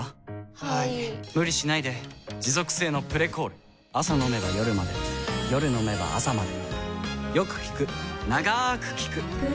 はい・・・無理しないで持続性の「プレコール」朝飲めば夜まで夜飲めば朝まで